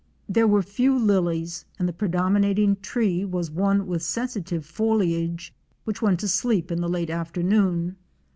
'There were few lilies and the predominating tree was one with sensitive foliage, which went to sleep in the late afternoon.